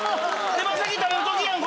手羽先食べるときやん